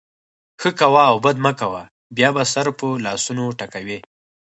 ښه کوه او بد مه کوه؛ بیا به سر په لاسونو ټکوې.